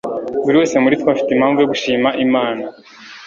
buri wese muri twe afite mpamvu yo gushima imana .